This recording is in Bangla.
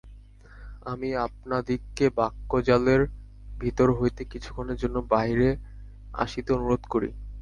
আমি আপনাদিগকে বাক্যজালের ভিতর হইতে কিছুক্ষণের জন্য বাহিরে আসিতে অনুরোধ করি।